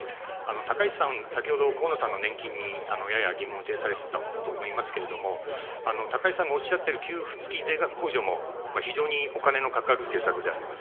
高市さん、先ほど、河野さんの年金にやや疑問を呈されていたと思いますけれども、高市さんがおっしゃっている給付付き税額控除も、非常にお金のかかる政策であります。